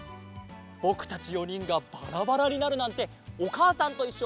ぼくたち４にんがバラバラになるなんて「おかあさんといっしょ」